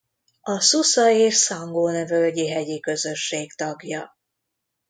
A Susa- és Sangone-völgyi Hegyi Közösség tagja.